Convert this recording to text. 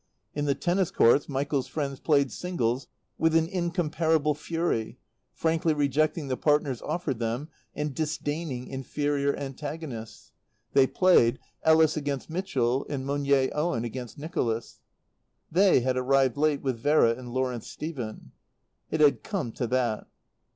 In the tennis courts Michael's friends played singles with an incomparable fury, frankly rejecting the partners offered them and disdaining inferior antagonists; they played, Ellis against Mitchell and Monier Owen against Nicholas. They had arrived late with Vera and Lawrence Stephen. It had come to that.